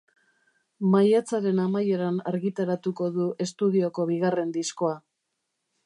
Maiatzaren amaieran argitaratuko du estudioko bigarren diskoa.